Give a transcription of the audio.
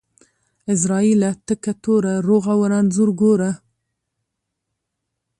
عزرائيله تکه توره ، روغ او رنځور گوره.